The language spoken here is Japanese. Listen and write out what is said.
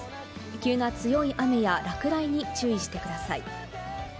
急な強い雨や落雷に注意してください。